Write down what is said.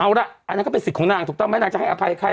เอาล่ะอันนั้นก็เป็นสิทธิ์ของนางถูกต้องไหมนางจะให้อภัยใคร